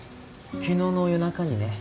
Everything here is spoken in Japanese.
昨日の夜中にね。